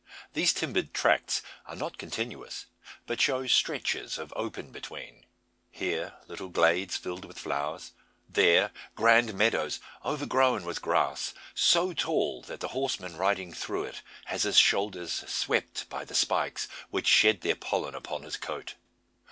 These timbered tracts are not continuous, but show stretches of open between, here little glades filled with flowers, there grand meadows overgrown with grass so tall that the horseman riding through it has his shoulders swept by the spikes, which shed their pollen upon his coat.